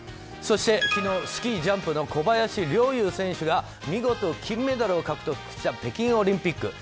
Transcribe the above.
そして、昨日スキージャンプの小林陵侑選手が見事、金メダルを獲得した北京オリンピック。